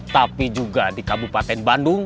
tapi juga di kabupaten bandung